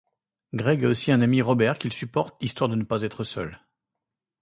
Greg a aussi un ami Robert qu’il supporte histoire de ne pas être seul.